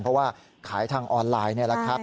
เพราะว่าขายทางออนไลน์นี่แหละครับ